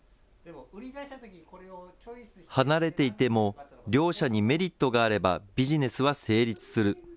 離れていても、両者にメリットがあれば、ビジネスは成立する。